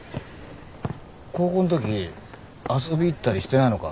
高校んとき遊び行ったりしてないのか？